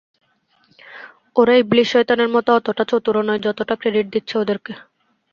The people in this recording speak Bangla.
ওরা ইবলিশ শয়তানের মতো অতোটা চতুরও নয় যতোটা ক্রেডিট দিচ্ছ ওদেরকে!